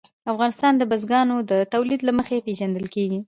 افغانستان د بزګانو د تولید له مخې پېژندل کېږي.